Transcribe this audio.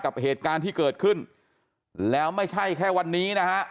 กับเหตุการณ์ที่เกิดขึ้นแล้วไม่ใช่แค่วันนี้นะฮะ